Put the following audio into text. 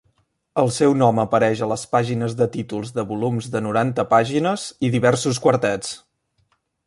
El seu nom apareix a les pàgines de títols de volums de noranta pàgines i diversos quartets.